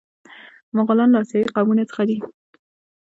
مغولان له اسیایي قومونو څخه دي.